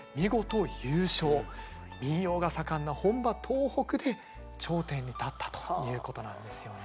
民謡が盛んな本場東北で頂点に立ったということなんですよね。